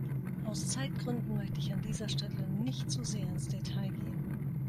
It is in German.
Aus Zeitgründen möchte ich an dieser Stelle nicht zu sehr ins Detail gehen.